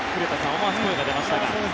思わず声が出ましたが。